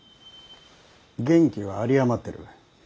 元気は有り余ってる。